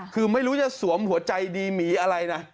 คือไม่รู้จะสวมหัวใจดีหมีอะไรนะ